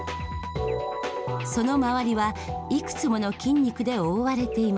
その周りはいくつもの筋肉で覆われています。